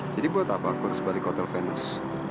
jadi buat apa aku harus balik hotel venus